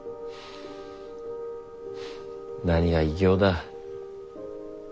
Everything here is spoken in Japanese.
何が偉業だ。